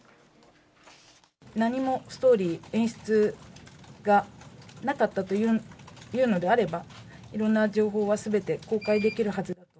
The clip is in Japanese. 何もストーリー、演出がなかったというのであれば、いろんな情報はすべて公開できるはず。